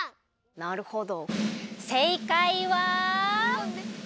なるほど！